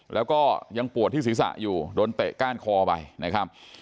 แล้วก็ยังปวดที่ศีรษะอยู่โดนเตะก้านคอไปนะครับ